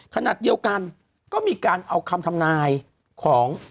ขณะเดียวกันก็มีการเอาคำทำนายของ